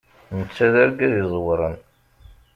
Netta d argaz iẓewren.